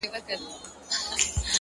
هوښیار انتخاب اوږدمهاله ګټه لري